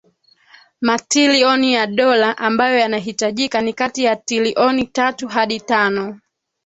matilioni ya dola ambayo yanahitajika ni kati ya tilioni tatu hadi tano